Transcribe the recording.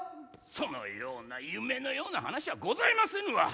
そのような夢のような話はございませぬわ。